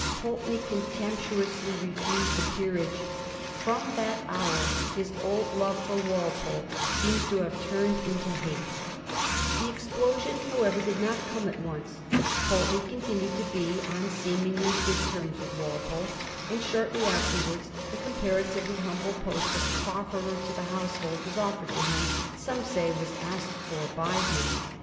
Pulteney contemptuously refused the peerage. From that hour his old love for Walpole seems to have turned into hate. Digiti zed by Google 334 A HISTORY OF THE FOUR GEORGES, ch. xtl The explosion, however, did not come at once. Pulteney continued to be on seemiagly good terms with Walpole, and shortly afterwards the compara tively humble post of Cofferer to the Household was offered to him — some say was asked for by him.